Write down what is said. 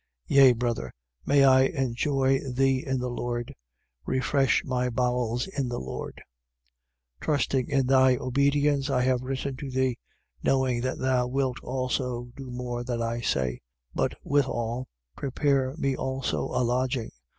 1:20. Yea, brother. May I enjoy thee in the Lord! Refresh my bowels in the Lord. 1:21. Trusting in thy obedience, I have written to thee: knowing that thou wilt also do more than I say. 1:22. But withal prepare me also a lodging.